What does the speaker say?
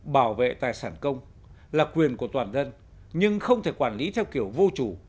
bảo vệ tài sản công là quyền của toàn dân nhưng không thể quản lý theo kiểu vô chủ